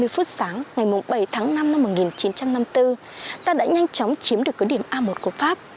ba mươi phút sáng ngày bảy tháng năm năm một nghìn chín trăm năm mươi bốn ta đã nhanh chóng chiếm được cứu điểm a một của pháp